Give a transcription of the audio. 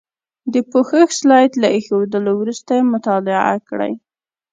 د پوښښ سلایډ له ایښودلو وروسته یې مطالعه کړئ.